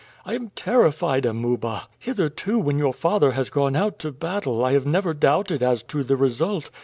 I am terrified, Amuba. Hitherto when your father has gone out to battle I have never doubted as to the result.